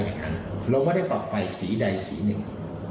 เราไม่ได้ปรับไฟสีใดสีหนึ่ง